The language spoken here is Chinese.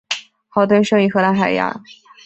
豪敦生于荷兰海牙。